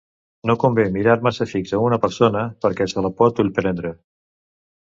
No convé mirar massa fix a una persona, perquè se la pot ullprendre.